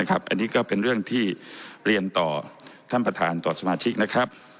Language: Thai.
อันนี้ก็เป็นเรื่องที่เรียนต่อท่านประธานต่อสมาชิกนะครับ